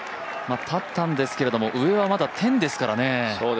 立ったんですけれども上はまだ１０ですからね。